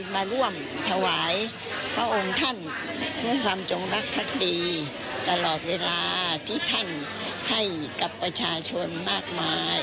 มาร่วมถวายพระองค์ท่านเพื่อความจงรักภักดีตลอดเวลาที่ท่านให้กับประชาชนมากมาย